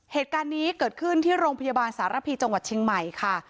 เหตุการณ์นี้เกิดขึ้นที่โรงพยาบาลสารพีจังหวัดเชียงใหม่ค่ะ